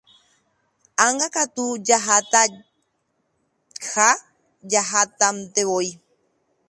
Ág̃akatu jahataha jahatantevoi.